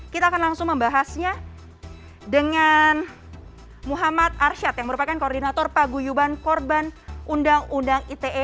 kita akan langsung membahasnya dengan muhammad arsyad yang merupakan koordinator paguyuban korban undang undang ite